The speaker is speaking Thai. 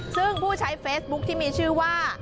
ซึ่งผู้ใช้เฟซบุ๊คที่มีชื่อว่า